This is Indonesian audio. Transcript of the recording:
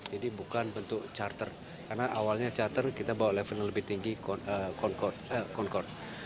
jadi bukan bentuk charter karena awalnya charter kita bawa level yang lebih tinggi concord